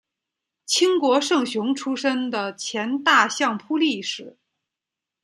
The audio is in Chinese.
清国胜雄出身的前大相扑力士。